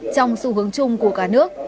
trong xu hướng chung của cả nước